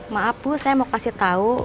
maaf bu saya mau kasih tahu